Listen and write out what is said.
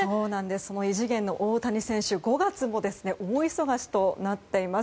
異次元の大谷選手５月も大忙しとなっています。